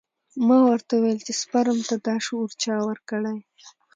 ما ورته وويل چې سپرم ته دا شعور چا ورکړى.